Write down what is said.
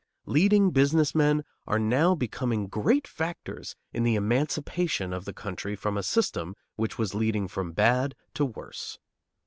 Leading business men are now becoming great factors in the emancipation of the country from a system which was leading from bad to worse.